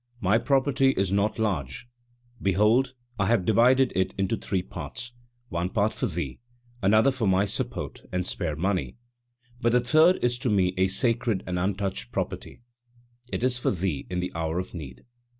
My property is not large; behold I have divided it into three parts, one part for thee, another for my support and spare money, but the third is to me a sacred and untouched property, it is for thee in the hour of need."